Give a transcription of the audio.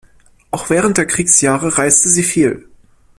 Auch während der Kriegsjahre reiste sie viel.